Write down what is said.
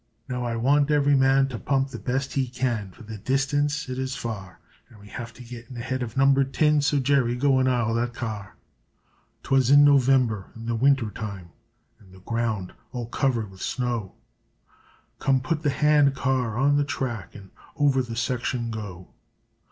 Now, I want ivery man to pump the best he can, for the distance it is far r r; An' we have to get in ahead of number tin So, Jerry, go an' ile that car r r!" 'Twas in November in the winter time and the ground all covered wid snow, "Come put the hand car r r on the track an' over the section go!"